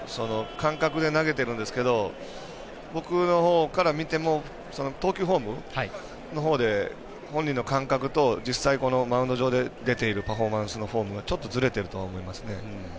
感覚で投げてるんですけど僕のほうから見ても投球フォームのほうで本人の感覚と実際、マウンド上で出ているパフォーマンスのフォームがずれていると思いますね。